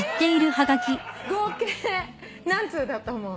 合計何通だと思う？